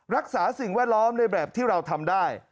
สิ่งแวดล้อมในแบบที่เราทำได้